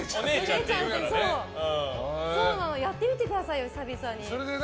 やってみてくださいよ、久々に。